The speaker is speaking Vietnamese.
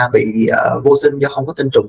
bị vô sinh do không có tinh trùng